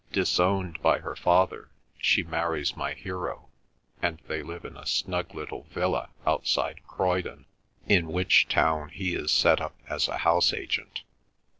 Disowned by her father, she marries my hero, and they live in a snug little villa outside Croydon, in which town he is set up as a house agent.